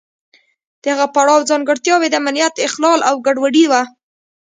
د هغه پړاو ځانګړتیاوې د امنیت اخلال او ګډوډي وه.